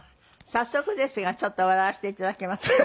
早速ですがちょっと笑わせて頂けますか？